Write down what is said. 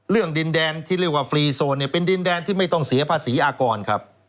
ดินแดนที่เรียกว่าฟรีโซนเนี่ยเป็นดินแดนที่ไม่ต้องเสียภาษีอากรครับ